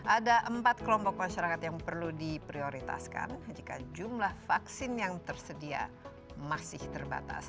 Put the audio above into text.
ada empat kelompok masyarakat yang perlu diprioritaskan jika jumlah vaksin yang tersedia masih terbatas